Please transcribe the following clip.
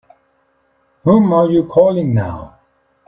Whom are you calling now?